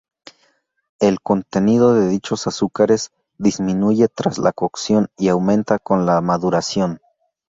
El contenido de dichos azúcares disminuye tras la cocción y aumenta con la maduración.